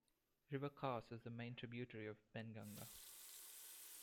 River Kas is the main tributary of Penganga.